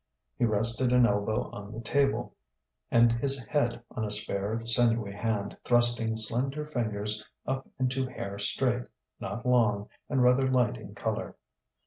He rested an elbow on the table and his head on a spare, sinewy hand, thrusting slender fingers up into hair straight, not long, and rather light in colour.